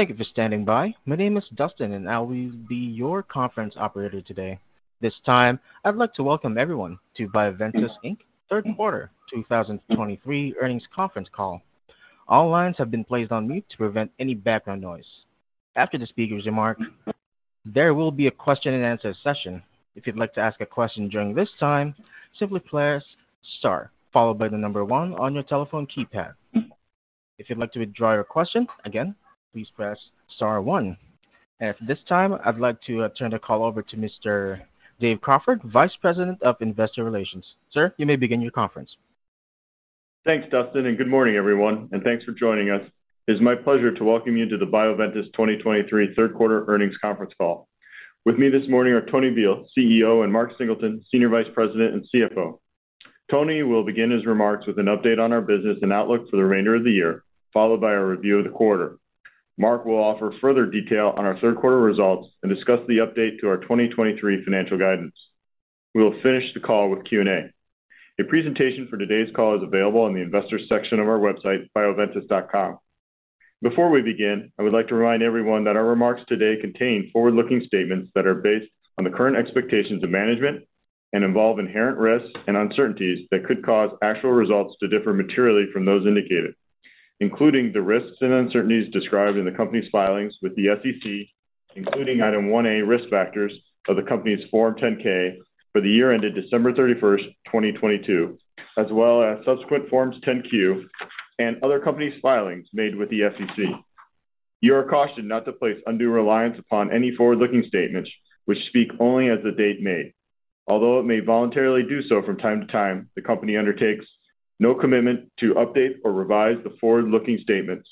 Thank you for standing by. My name is Dustin, and I will be your conference operator today. This time, I'd like to welcome everyone to Bioventus Inc.'s Third Quarter 2023 Earnings Conference Call. All lines have been placed on mute to prevent any background noise. After the speaker's remark, there will be a question-and-answer session. If you'd like to ask a question during this time, simply press star followed by the number one on your telephone keypad. If you'd like to withdraw your question, again, please press star one. At this time, I'd like to turn the call over to Mr. Dave Crawford, Vice President of Investor Relations. Sir, you may begin your conference. Thanks, Dustin, and good morning, everyone, and thanks for joining us. It's my pleasure to welcome you to the Bioventus 2023 third quarter earnings conference call. With me this morning are Tony Bihl, CEO, and Mark Singleton, Senior Vice President and CFO. Tony will begin his remarks with an update on our business and outlook for the remainder of the year, followed by a review of the quarter. Mark will offer further detail on our third quarter results and discuss the update to our 2023 financial guidance. We will finish the call with Q&A. A presentation for today's call is available on the Investors section of our website, bioventus.com. Before we begin, I would like to remind everyone that our remarks today contain forward-looking statements that are based on the current expectations of management and involve inherent risks and uncertainties that could cause actual results to differ materially from those indicated, including the risks and uncertainties described in the company's filings with the SEC, including Item 1A, Risk Factors of the company's Form 10-K for the year ended December 31, 2022, as well as subsequent Forms 10-Q and other company's filings made with the SEC. You are cautioned not to place undue reliance upon any forward-looking statements, which speak only as the date made. Although it may voluntarily do so from time to time, the company undertakes no commitment to update or revise the forward-looking statements,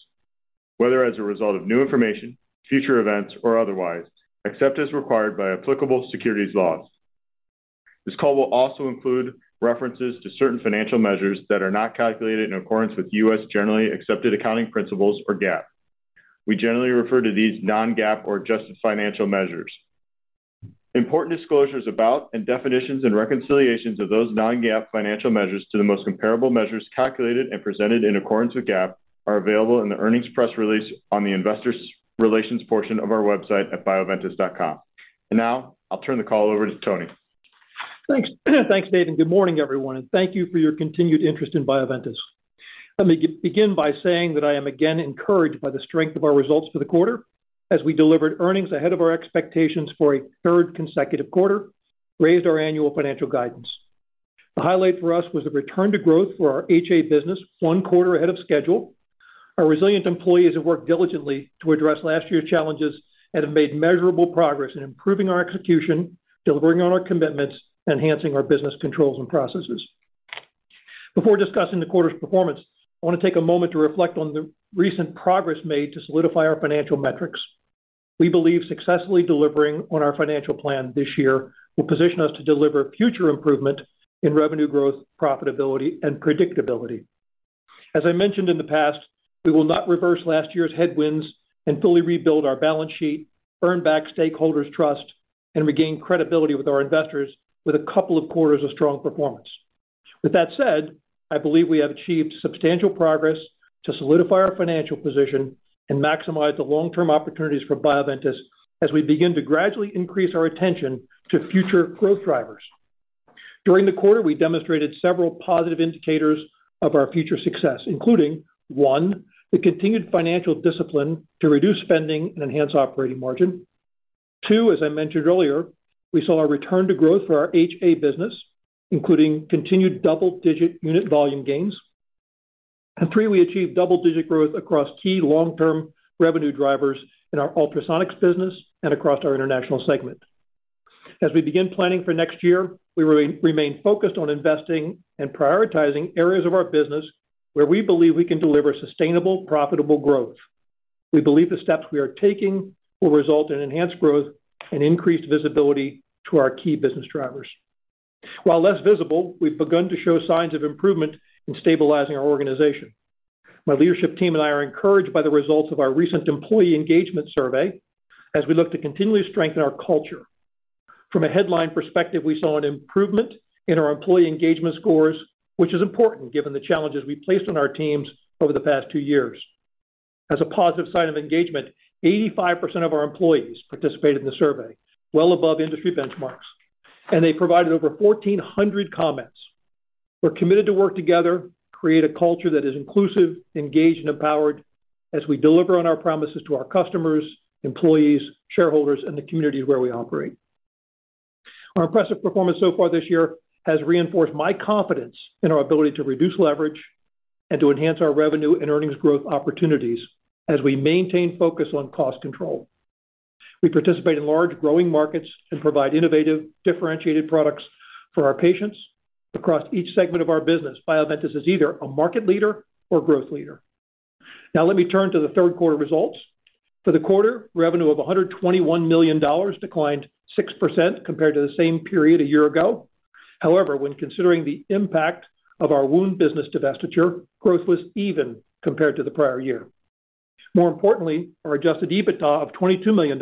whether as a result of new information, future events, or otherwise, except as required by applicable securities laws. This call will also include references to certain financial measures that are not calculated in accordance with U.S. generally accepted accounting principles or GAAP. We generally refer to these non-GAAP or adjusted financial measures. Important disclosures about and definitions and reconciliations of those non-GAAP financial measures to the most comparable measures calculated and presented in accordance with GAAP are available in the earnings press release on the Investor Relations portion of our website at bioventus.com. And now, I'll turn the call over to Tony. Thanks. Thanks, Dave, and good morning, everyone, and thank you for your continued interest in Bioventus. Let me begin by saying that I am again encouraged by the strength of our results for the quarter, as we delivered earnings ahead of our expectations for a third consecutive quarter, raised our annual financial guidance. The highlight for us was a return to growth for our HA business, one quarter ahead of schedule. Our resilient employees have worked diligently to address last year's challenges and have made measurable progress in improving our execution, delivering on our commitments, enhancing our business controls and processes. Before discussing the quarter's performance, I want to take a moment to reflect on the recent progress made to solidify our financial metrics. We believe successfully delivering on our financial plan this year will position us to deliver future improvement in revenue growth, profitability, and predictability. As I mentioned in the past, we will not reverse last year's headwinds and fully rebuild our balance sheet, earn back stakeholders' trust, and regain credibility with our investors with a couple of quarters of strong performance. With that said, I believe we have achieved substantial progress to solidify our financial position and maximize the long-term opportunities for Bioventus as we begin to gradually increase our attention to future growth drivers. During the quarter, we demonstrated several positive indicators of our future success, including, one, the continued financial discipline to reduce spending and enhance operating margin. Two, as I mentioned earlier, we saw a return to growth for our HA business, including continued double-digit unit volume gains. And three, we achieved double-digit growth across key long-term revenue drivers in our ultrasonics business and across our international segment. As we begin planning for next year, we remain focused on investing and prioritizing areas of our business where we believe we can deliver sustainable, profitable growth. We believe the steps we are taking will result in enhanced growth and increased visibility to our key business drivers. While less visible, we've begun to show signs of improvement in stabilizing our organization. My leadership team and I are encouraged by the results of our recent employee engagement survey as we look to continually strengthen our culture. From a headline perspective, we saw an improvement in our employee engagement scores, which is important given the challenges we placed on our teams over the past two years. As a positive sign of engagement, 85% of our employees participated in the survey, well above industry benchmarks, and they provided over 1,400 comments. We're committed to work together, create a culture that is inclusive, engaged, and empowered as we deliver on our promises to our customers, employees, shareholders, and the communities where we operate. Our impressive performance so far this year has reinforced my confidence in our ability to reduce leverage and to enhance our revenue and earnings growth opportunities as we maintain focus on cost control. We participate in large, growing markets and provide innovative, differentiated products for our patients. Across each segment of our business, Bioventus is either a market leader or growth leader. Now, let me turn to the third quarter results. For the quarter, revenue of $121 million declined 6% compared to the same period a year ago. However, when considering the impact of our wound business divestiture, growth was even compared to the prior year. More importantly, our Adjusted EBITDA of $22 million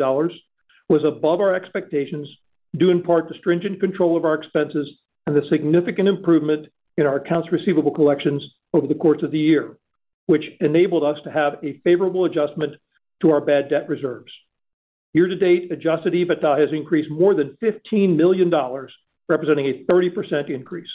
was above our expectations, due in part to stringent control of our expenses and the significant improvement in our accounts receivable collections over the course of the year, which enabled us to have a favorable adjustment to our bad debt reserves. Year-to-date, Adjusted EBITDA has increased more than $15 million, representing a 30% increase.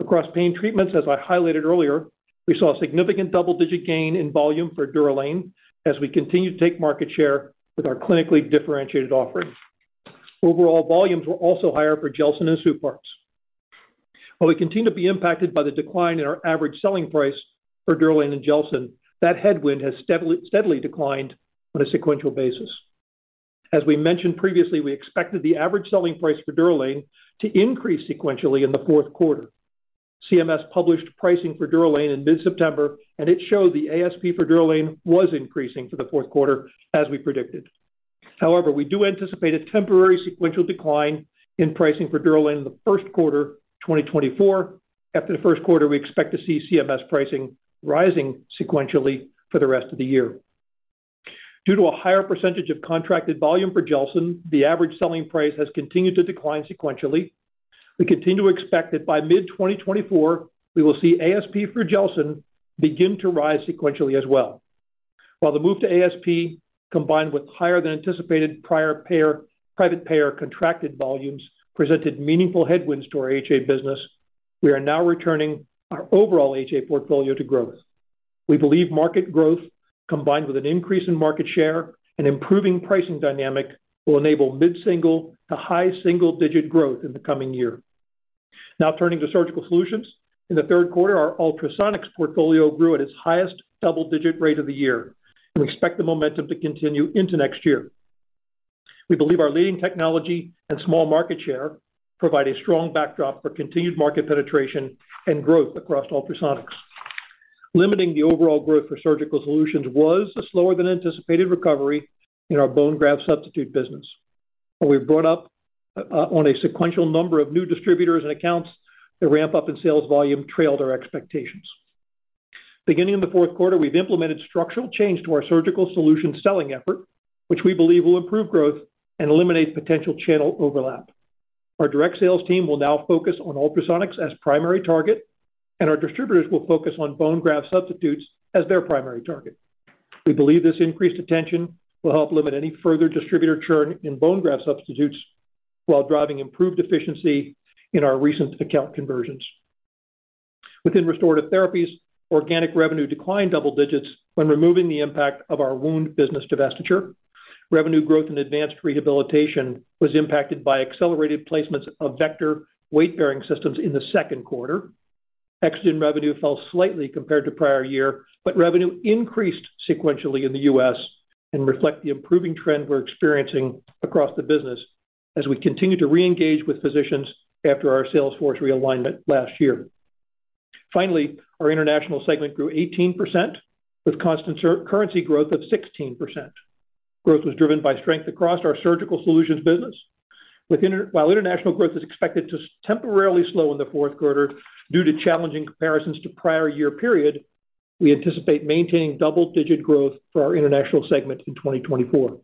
Across Pain Treatments, as I highlighted earlier, we saw a significant double-digit gain in volume for DUROLANE as we continue to take market share with our clinically differentiated offering. Overall, volumes were also higher for GELSYN-3 and SUPARTZ FX. While we continue to be impacted by the decline in our average selling price for DUROLANE and GELSYN-3, that headwind has steadily, steadily declined on a sequential basis. As we mentioned previously, we expected the average selling price for DUROLANE to increase sequentially in the fourth quarter. CMS published pricing for DUROLANE in mid-September, and it showed the ASP for DUROLANE was increasing for the fourth quarter, as we predicted. However, we do anticipate a temporary sequential decline in pricing for DUROLANE in the first quarter, 2024. After the first quarter, we expect to see CMS pricing rising sequentially for the rest of the year. Due to a higher percentage of contracted volume for GELSYN-3, the average selling price has continued to decline sequentially. We continue to expect that by mid-2024, we will see ASP for GELSYN-3 begin to rise sequentially as well. While the move to ASP, combined with higher than anticipated private payer contracted volumes, presented meaningful headwinds to our HA business, we are now returning our overall HA portfolio to growth. We believe market growth, combined with an increase in market share and improving pricing dynamic, will enable mid-single- to high single-digit growth in the coming year. Now turning to Surgical Solutions. In the third quarter, our ultrasonics portfolio grew at its highest double-digit rate of the year, and we expect the momentum to continue into next year. We believe our leading technology and small market share provide a strong backdrop for continued market penetration and growth across ultrasonics. Limiting the overall growth for Surgical Solutions was a slower than anticipated recovery in our Bone Graft Substitute business. But we've brought up, on a sequential number of new distributors and accounts, the ramp-up in sales volume trailed our expectations. Beginning in the fourth quarter, we've implemented structural change to our Surgical Solutions selling effort, which we believe will improve growth and eliminate potential channel overlap. Our direct sales team will now focus on ultrasonics as primary target, and our distributors will focus on bone graft substitutes as their primary target. We believe this increased attention will help limit any further distributor churn in bone graft substitutes, while driving improved efficiency in our recent account conversions. Within Restorative Therapies, organic revenue declined double digits when removing the impact of our wound business divestiture. Revenue growth in advanced rehabilitation was impacted by accelerated placements of Vector weight-bearing systems in the second quarter. EXOGEN revenue fell slightly compared to prior year, but revenue increased sequentially in the U.S. and reflect the improving trend we're experiencing across the business as we continue to reengage with physicians after our sales force realignment last year. Finally, our international segment grew 18%, with constant currency growth of 16%. Growth was driven by strength across our Surgical Solutions business. While international growth is expected to temporarily slow in the fourth quarter due to challenging comparisons to prior year period, we anticipate maintaining double-digit growth for our international segment in 2024.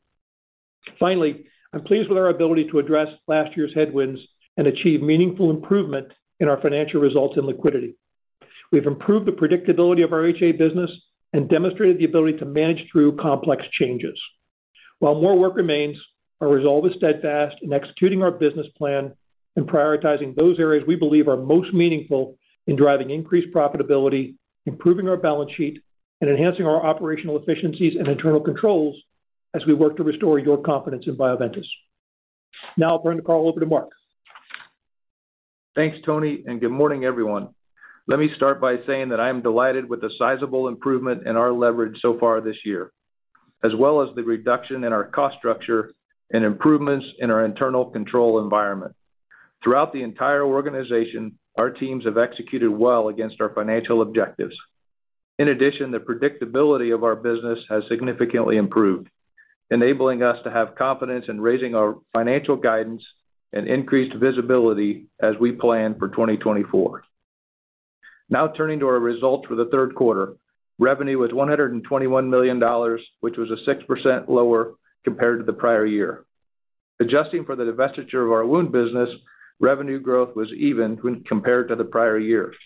Finally, I'm pleased with our ability to address last year's headwinds and achieve meaningful improvement in our financial results and liquidity. We've improved the predictability of our HA business and demonstrated the ability to manage through complex changes. While more work remains, our resolve is steadfast in executing our business plan and prioritizing those areas we believe are most meaningful in driving increased profitability, improving our balance sheet, and enhancing our operational efficiencies and internal controls as we work to restore your confidence in Bioventus. Now I'll turn the call over to Mark. Thanks, Tony, and good morning, everyone. Let me start by saying that I am delighted with the sizable improvement in our leverage so far this year, as well as the reduction in our cost structure and improvements in our internal control environment. Throughout the entire organization, our teams have executed well against our financial objectives. In addition, the predictability of our business has significantly improved, enabling us to have confidence in raising our financial guidance and increased visibility as we plan for 2024. Now turning to our results for the third quarter. Revenue was $121 million, which was 6% lower compared to the prior year. Adjusting for the divestiture of our wound business, revenue growth was even when compared to the prior years.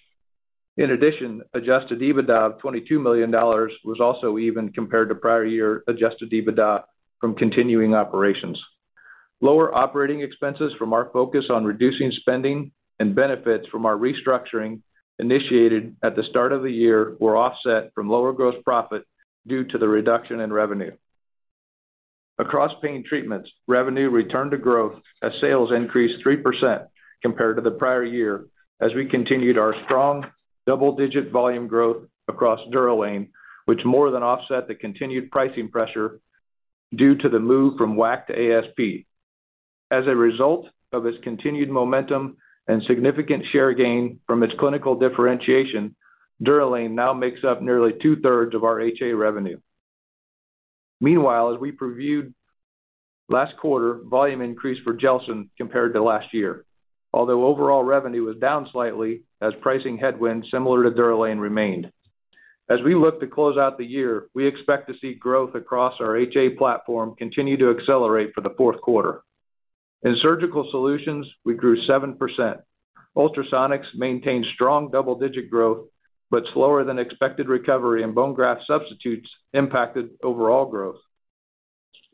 In addition, adjusted EBITDA of $22 million was also even compared to prior year adjusted EBITDA from continuing operations. Lower operating expenses from our focus on reducing spending and benefits from our restructuring initiated at the start of the year, were offset from lower gross profit due to the reduction in revenue. Across Pain Treatments, revenue returned to growth as sales increased 3% compared to the prior year, as we continued our strong double-digit volume growth across DUROLANE, which more than offset the continued pricing pressure due to the move from WAC to ASP. As a result of its continued momentum and significant share gain from its clinical differentiation, DUROLANE now makes up nearly two-thirds of our HA revenue. Meanwhile, as we previewed last quarter, volume increased for GELSYN-3 compared to last year, although overall revenue was down slightly as pricing headwinds similar to DUROLANE remained.... As we look to close out the year, we expect to see growth across our HA platform continue to accelerate for the fourth quarter. In Surgical Solutions, we grew 7%. Ultrasonics maintained strong double-digit growth, but slower than expected recovery in bone graft substitutes impacted overall growth.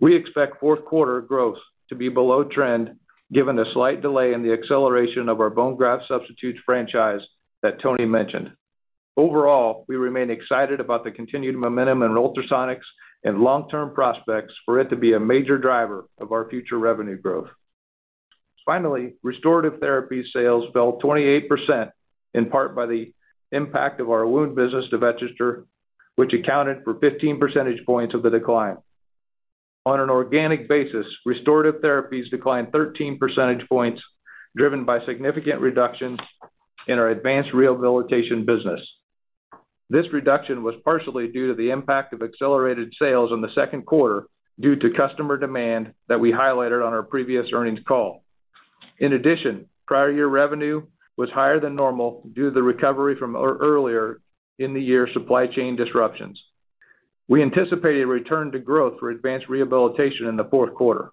We expect fourth quarter growth to be below trend, given the slight delay in the acceleration of our bone graft substitutes franchise that Tony mentioned. Overall, we remain excited about the continued momentum in ultrasonics and long-term prospects for it to be a major driver of our future revenue growth. Finally, Restorative Therapies sales fell 28%, in part by the impact of our wound business divestiture, which accounted for 15 percentage points of the decline. On an organic basis, Restorative Therapies declined 13 percentage points, driven by significant reductions in our advanced rehabilitation business. This reduction was partially due to the impact of accelerated sales in the second quarter due to customer demand that we highlighted on our previous earnings call. In addition, prior year revenue was higher than normal due to the recovery from earlier in the year supply chain disruptions. We anticipate a return to growth for advanced rehabilitation in the fourth quarter.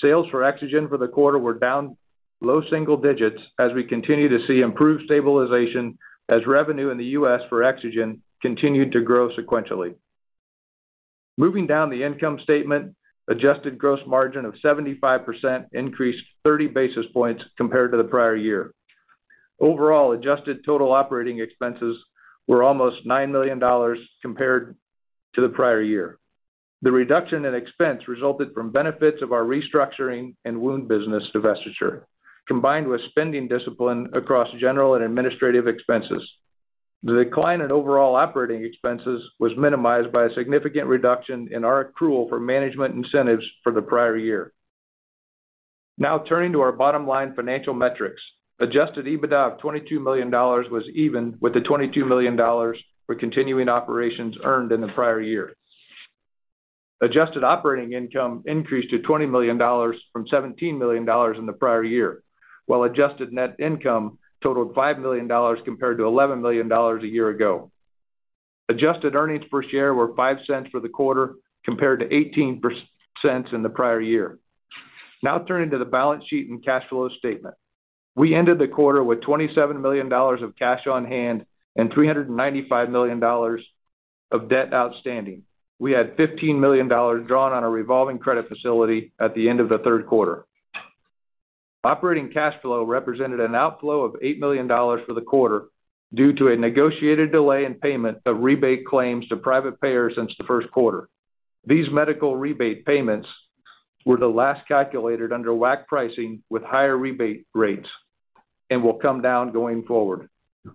Sales for EXOGEN for the quarter were down low single digits as we continue to see improved stabilization as revenue in the U.S. for EXOGEN continued to grow sequentially. Moving down the income statement, adjusted gross margin of 75% increased 30 basis points compared to the prior year. Overall, adjusted total operating expenses were almost $9 million compared to the prior year. The reduction in expense resulted from benefits of our restructuring and wound business divestiture, combined with spending discipline across general and administrative expenses. The decline in overall operating expenses was minimized by a significant reduction in our accrual for management incentives for the prior year. Now turning to our bottom-line financial metrics. Adjusted EBITDA of $22 million was even with the $22 million for continuing operations earned in the prior year. Adjusted operating income increased to $20 million from $17 million in the prior year, while adjusted net income totaled $5 million compared to $11 million a year ago. Adjusted earnings per share were $0.05 for the quarter, compared to $0.18 cents in the prior year. Now turning to the balance sheet and cash flow statement. We ended the quarter with $27 million of cash on hand and $395 million of debt outstanding. We had $15 million drawn on a revolving credit facility at the end of the third quarter. Operating cash flow represented an outflow of $8 million for the quarter due to a negotiated delay in payment of rebate claims to private payers since the first quarter. These medical rebate payments were the last calculated under WAC pricing with higher rebate rates and will come down going forward.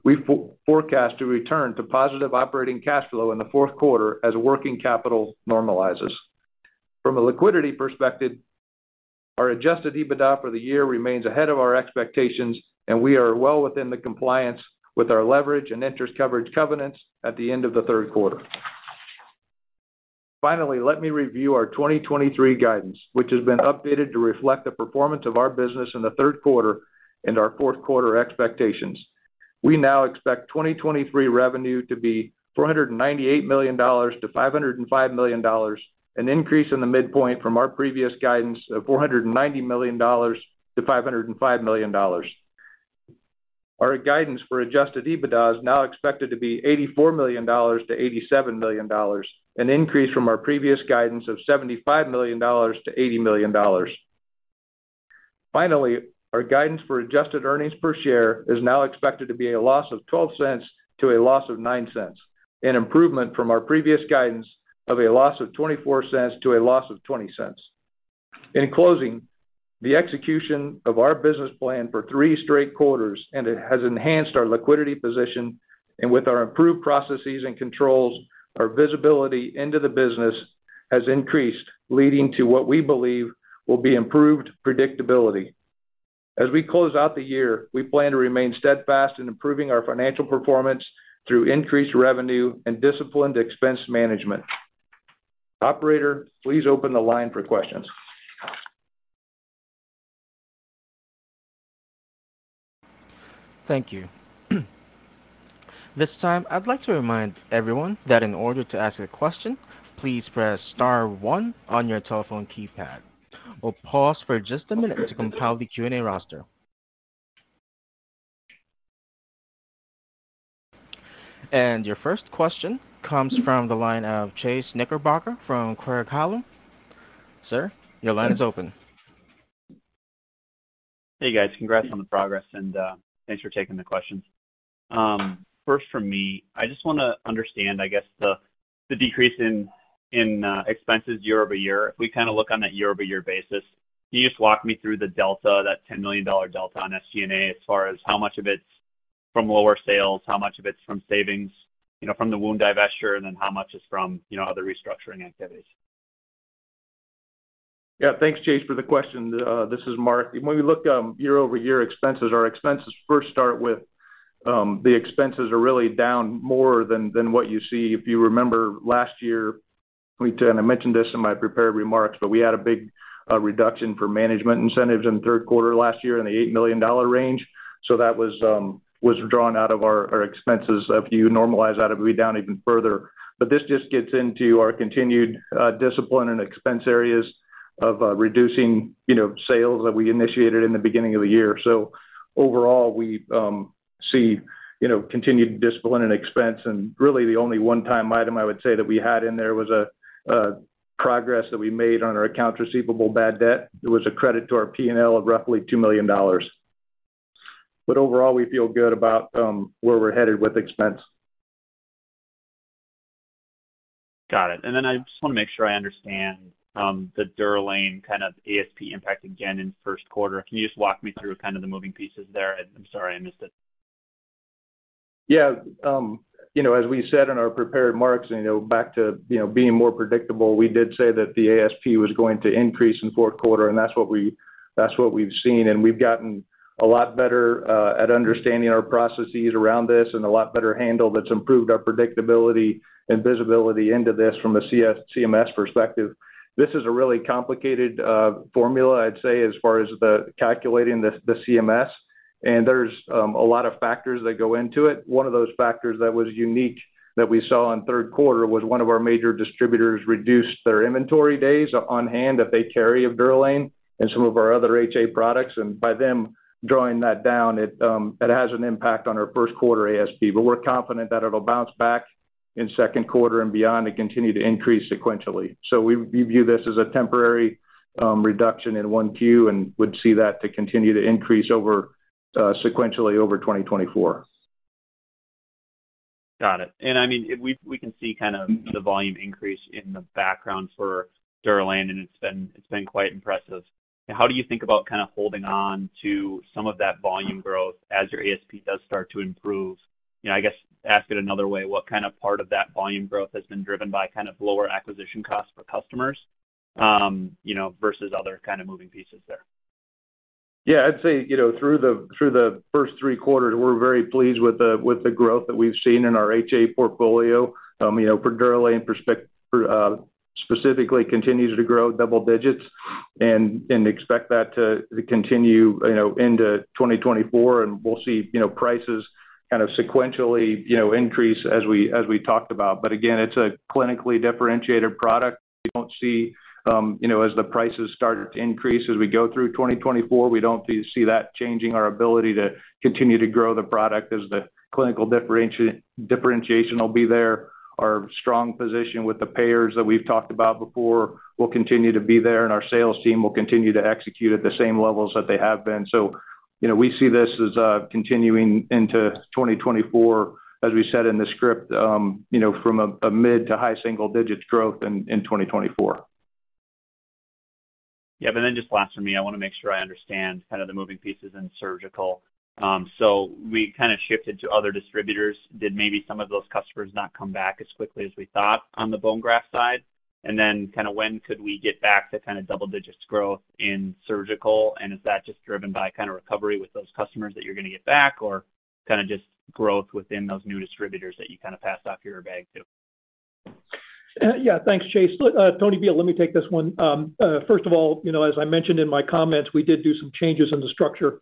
We forecast to return to positive operating cash flow in the fourth quarter as working capital normalizes. From a liquidity perspective, our adjusted EBITDA for the year remains ahead of our expectations, and we are well within the compliance with our leverage and interest coverage covenants at the end of the third quarter. Finally, let me review our 2023 guidance, which has been updated to reflect the performance of our business in the third quarter and our fourth quarter expectations. We now expect 2023 revenue to be $498 million-$505 million, an increase in the midpoint from our previous guidance of $490 million-$505 million. Our guidance for Adjusted EBITDA is now expected to be $84 million-$87 million, an increase from our previous guidance of $75 million-$80 million. Finally, our guidance for adjusted earnings per share is now expected to be a loss of $0.12-$0.09, an improvement from our previous guidance of a loss of $0.24-$0.20. In closing, the execution of our business plan for three straight quarters, and it has enhanced our liquidity position, and with our improved processes and controls, our visibility into the business has increased, leading to what we believe will be improved predictability. As we close out the year, we plan to remain steadfast in improving our financial performance through increased revenue and disciplined expense management. Operator, please open the line for questions. Thank you. This time, I'd like to remind everyone that in order to ask a question, please press star one on your telephone keypad. We'll pause for just a minute to compile the Q&A roster. And your first question comes from the line of Chase Knickerbocker from Craig-Hallum. Sir, your line is open. Hey, guys. Congrats on the progress and, thanks for taking the questions. First for me, I just want to understand, I guess, the decrease in expenses year-over-year. If we kind of look on that year-over-year basis, can you just walk me through the delta, that $10 million delta on SC&A, as far as how much of it's from lower sales, how much of it's from savings, you know, from the wound divestiture, and then how much is from, you know, other restructuring activities? Yeah. Thanks, Chase, for the question. This is Mark. When we look year-over-year expenses, our expenses first start with the expenses are really down more than what you see. If you remember, last year... We, and I mentioned this in my prepared remarks, but we had a big reduction for management incentives in the third quarter last year in the $8 million range. So that was drawn out of our expenses. If you normalize that, it'll be down even further. But this just gets into our continued discipline and expense areas of reducing, you know, sales that we initiated in the beginning of the year. So overall, we see, you know, continued discipline and expense. Really, the only one-time item I would say that we had in there was a progress that we made on our accounts receivable bad debt. It was a credit to our P&L of roughly $2 million. Overall, we feel good about where we're headed with expense. Got it. And then I just want to make sure I understand, the DUROLANE kind of ASP impact again in first quarter. Can you just walk me through kind of the moving pieces there? I'm sorry, I missed it. Yeah. You know, as we said in our prepared remarks, and, you know, back to, you know, being more predictable, we did say that the ASP was going to increase in fourth quarter, and that's what we've seen. And we've gotten a lot better at understanding our processes around this and a lot better handle that's improved our predictability and visibility into this from a CMS perspective. This is a really complicated formula, I'd say, as far as calculating the CMS, and there's a lot of factors that go into it. One of those factors that was unique that we saw in third quarter was one of our major distributors reduced their inventory days on hand that they carry of DUROLANE and some of our other HA products. By them drawing that down, it has an impact on our first quarter ASP. But we're confident that it'll bounce back in second quarter and beyond and continue to increase sequentially. So we view this as a temporary reduction in one Q and would see that to continue to increase over sequentially over 2024. Got it. I mean, we can see kind of the volume increase in the background for DUROLANE, and it's been quite impressive. How do you think about kind of holding on to some of that volume growth as your ASP does start to improve? You know, I guess, ask it another way, what kind of part of that volume growth has been driven by kind of lower acquisition costs for customers, you know, versus other kind of moving pieces there? Yeah, I'd say, you know, through the first three quarters, we're very pleased with the growth that we've seen in our HA portfolio. You know, for DUROLANE specifically continues to grow double digits and expect that to continue, you know, into 2024, and we'll see, you know, prices kind of sequentially, you know, increase as we talked about. But again, it's a clinically differentiated product. We don't see, you know, as the prices start to increase as we go through 2024, we don't see that changing our ability to continue to grow the product as the clinical differentiation will be there. Our strong position with the payers that we've talked about before will continue to be there, and our sales team will continue to execute at the same levels that they have been. So, you know, we see this as continuing into 2024, as we said in the script, you know, from a mid- to high-single-digits growth in 2024. Yeah. But then just last for me, I want to make sure I understand kind of the moving pieces in surgical. So we kind of shifted to other distributors. Did maybe some of those customers not come back as quickly as we thought on the bone graft side? And then kind of when could we get back to kind of double digits growth in surgical, and is that just driven by kind of recovery with those customers that you're going to get back or kind of just growth within those new distributors that you kind of passed off your bag to? Yeah, thanks, Chase. Tony Bihl, let me take this one. First of all, you know, as I mentioned in my comments, we did do some changes in the structure,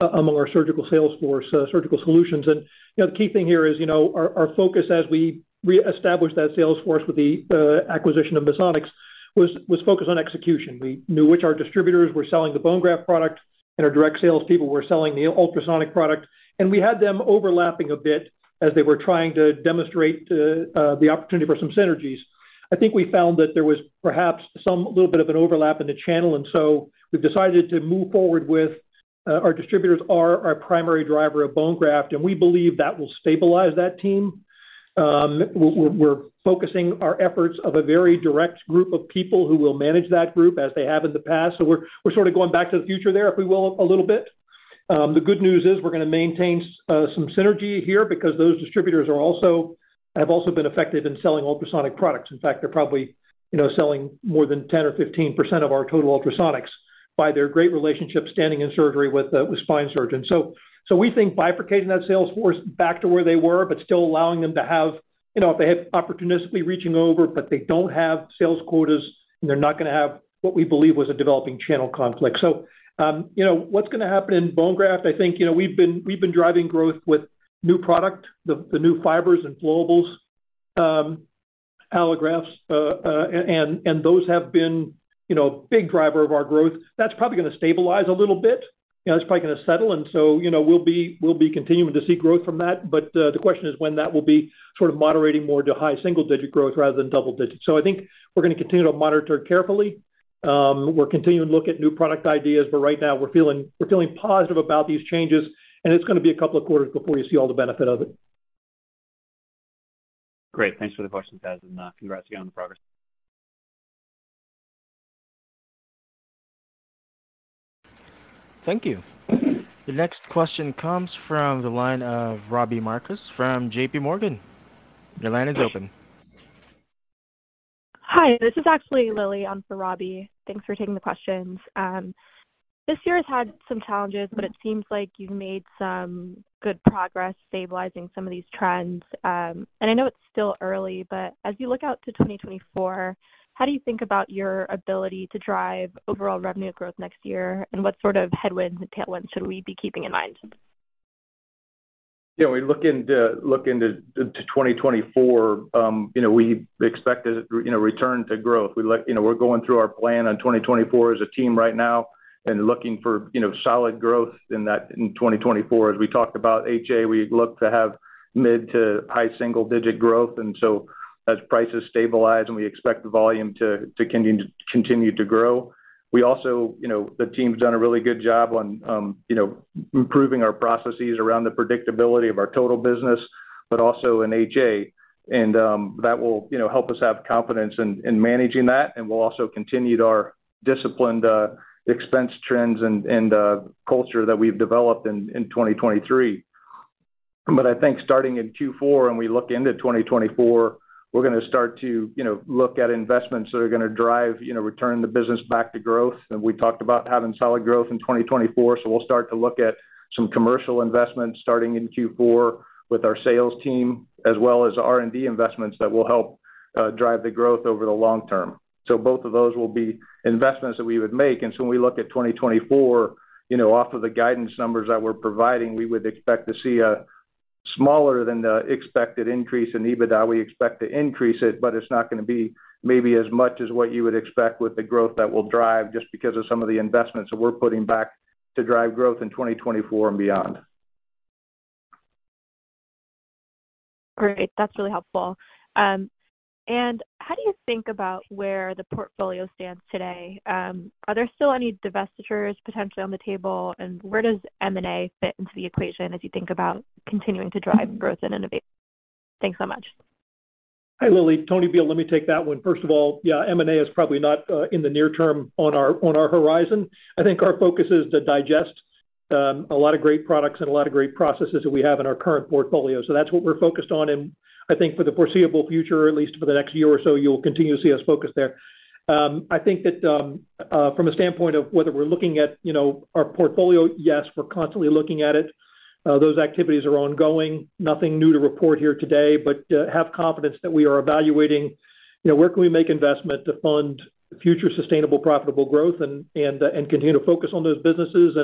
among our surgical sales force, surgical solutions. And, you know, the key thing here is, you know, our focus as we reestablish that sales force with the acquisition of Misonix, was focused on execution. We knew which our distributors were selling the bone graft product, and our direct sales people were selling the ultrasonic product, and we had them overlapping a bit as they were trying to demonstrate the opportunity for some synergies. I think we found that there was perhaps some little bit of an overlap in the channel, and so we've decided to move forward with our distributors are our primary driver of bone graft, and we believe that will stabilize that team. We're focusing our efforts of a very direct group of people who will manage that group as they have in the past. So we're sort of going back to the future there, if we will, a little bit. The good news is, we're going to maintain some synergy here because those distributors have also been effective in selling ultrasonic products. In fact, they're probably, you know, selling more than 10 or 15% of our total ultrasonics by their great relationship standing in surgery with spine surgeons. So, we think bifurcating that sales force back to where they were, but still allowing them to have, you know, if they have opportunistically reaching over, but they don't have sales quotas, and they're not going to have what we believe was a developing channel conflict. So, you know, what's going to happen in bone graft? I think, you know, we've been driving growth with new product, the new fibers and flowables, allografts, and those have been, you know, a big driver of our growth. That's probably going to stabilize a little bit. You know, it's probably going to settle, and so, you know, we'll be continuing to see growth from that. But, the question is when that will be sort of moderating more to high single digit growth rather than double digits. I think we're going to continue to monitor it carefully. We're continuing to look at new product ideas, but right now we're feeling, we're feeling positive about these changes, and it's going to be a couple of quarters before you see all the benefit of it. Great. Thanks for the questions, guys, and congrats again on the progress. Thank you. The next question comes from the line of Robbie Marcus from JP Morgan. Your line is open. Hi, this is actually Lily, for Robbie. Thanks for taking the questions. This year has had some challenges, but it seems like you've made some good progress stabilizing some of these trends. I know it's still early, but as you look out to 2024, how do you think about your ability to drive overall revenue growth next year? And what sort of headwinds and tailwinds should we be keeping in mind? Yeah, we look into to 2024, you know, we expect, you know, return to growth. You know, we're going through our plan on 2024 as a team right now and looking for, you know, solid growth in that, in 2024. As we talked about HA, we look to have mid to high single-digit growth, and so as prices stabilize, and we expect the volume to continue to grow. We also, you know, the team's done a really good job on, you know, improving our processes around the predictability of our total business, but also in HA. That will, you know, help us have confidence in managing that, and we'll also continue our disciplined expense trends and culture that we've developed in 2023. But I think starting in Q4, and we look into 2024, we're gonna start to, you know, look at investments that are gonna drive, you know, return the business back to growth. And we talked about having solid growth in 2024, so we'll start to look at some commercial investments starting in Q4 with our sales team, as well as R&D investments that will help, drive the growth over the long term. So both of those will be investments that we would make. And so when we look at 2024, you know, off of the guidance numbers that we're providing, we would expect to see a smaller than the expected increase in EBITDA. We expect to increase it, but it's not gonna be maybe as much as what you would expect with the growth that we'll drive just because of some of the investments that we're putting back to drive growth in 2024 and beyond. Great. That's really helpful. And how do you think about where the portfolio stands today? Are there still any divestitures potentially on the table? And where does M&A fit into the equation as you think about continuing to drive growth and innovation? Thanks so much. Hi, Lily. Tony Bihl. Let me take that one. First of all, yeah, M&A is probably not in the near term on our, on our horizon. I think our focus is to digest a lot of great products and a lot of great processes that we have in our current portfolio. So that's what we're focused on, and I think for the foreseeable future, at least for the next year or so, you'll continue to see us focus there. I think that from a standpoint of whether we're looking at, you know, our portfolio, yes, we're constantly looking at it. Those activities are ongoing. Nothing new to report here today, but have confidence that we are evaluating, you know, where can we make investment to fund future sustainable, profitable growth and, and, and continue to focus on those businesses.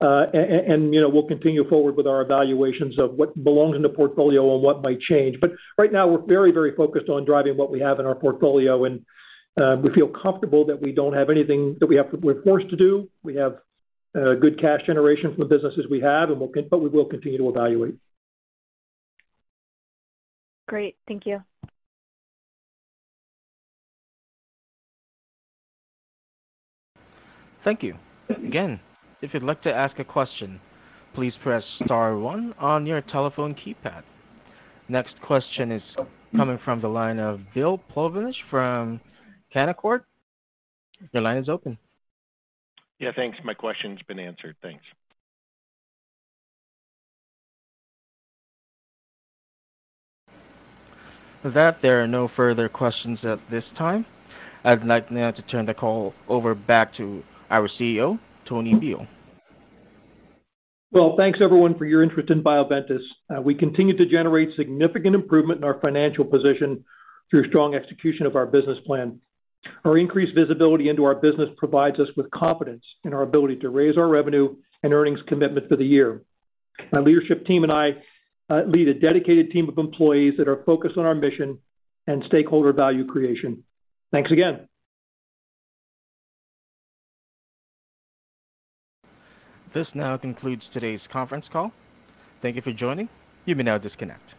And, you know, we'll continue forward with our evaluations of what belongs in the portfolio and what might change. But right now, we're very, very focused on driving what we have in our portfolio, and we feel comfortable that we don't have anything that we have to, we're forced to do. We have good cash generation from the businesses we have, and we'll, but we will continue to evaluate. Great. Thank you. Thank you. Again, if you'd like to ask a question, please press star one on your telephone keypad. Next question is coming from the line of Bill Plovnick from Canaccord. Your line is open. Yeah, thanks. My question's been answered. Thanks. With that, there are no further questions at this time. I'd like now to turn the call over back to our CEO, Tony Bihl. Well, thanks, everyone, for your interest in Bioventus. We continue to generate significant improvement in our financial position through strong execution of our business plan. Our increased visibility into our business provides us with confidence in our ability to raise our revenue and earnings commitment for the year. My leadership team and I lead a dedicated team of employees that are focused on our mission and stakeholder value creation. Thanks again. This now concludes today's conference call. Thank you for joining. You may now disconnect.